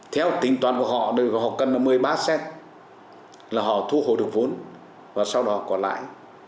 theo tính toán của họ họ cần là một mươi ba set là họ thu hồi được vốn và sau đó còn lại